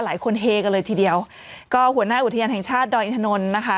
หลายคนเฮกันเลยทีเดียวก็หัวหน้าอุทยานแห่งชาติดอยอินทนนท์นะคะ